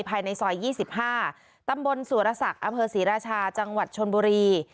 ภายในซอย๒๕ตำบลสุรศักดิ์อำเภอศรีราชาจังหวัดชนบุรี